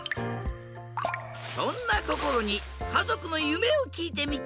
そんなこころにかぞくのゆめをきいてみた！